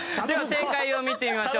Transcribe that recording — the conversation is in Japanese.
正解を見てみましょう。